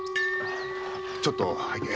ちょっと拝見。